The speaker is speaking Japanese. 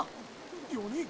４人。